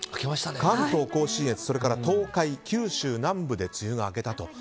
関東甲信越、東海、九州南部で梅雨が明けたと。